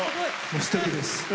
すてきです。